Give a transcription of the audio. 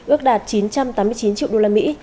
ước đạt chín trăm tám mươi chín triệu usd